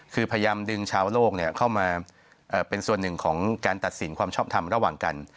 คือพยายามดึงชาวโลกเข้ามาเป็นส่วนหนึ่งของการตัดสินความชอบทำระหว่างกัน